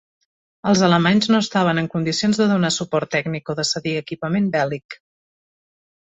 Els alemanys no estaven en condicions de donar suport tècnic o de cedir equipament bèl·lic.